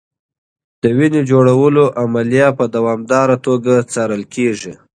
د وینې جوړولو عملیه په دوامداره توګه څارل کېږي.